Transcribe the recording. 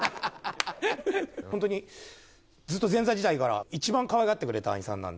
本当にずっと前座時代から一番かわいがってくれた兄さんなんで。